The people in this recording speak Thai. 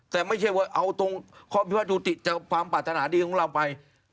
แต่ไม่ใช่ว่าเอาตรงข้อพิวัตดุติจากความปรารถนาดีของเราไป